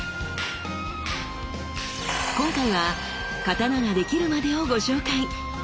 今回は刀ができるまでをご紹介。